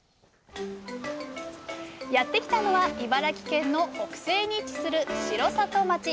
やってきたのは茨城県の北西に位置する城里町。